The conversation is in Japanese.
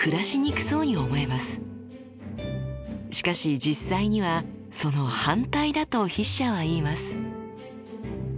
しかし実際にはその反対だと筆者は言います。